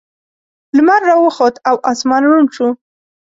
لمر راوخوت او اسمان روڼ شو.